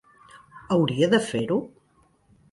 Hauria de fer-ho?